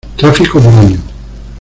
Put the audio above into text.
Tráfico por año